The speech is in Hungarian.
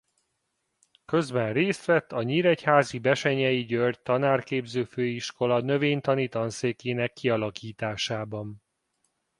Közben részt vett a nyíregyházi Bessenyei György Tanárképző Főiskola Növénytani Tanszékének kialakításában.